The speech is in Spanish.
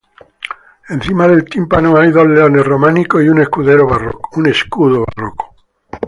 Encima del tímpano hay dos leones románicos y un escudo barroco.